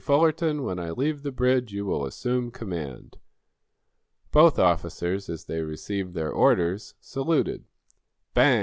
Fullerton, when I leave the bridge, you will assume command." Both officers, as they received their orders, saluted. Bang!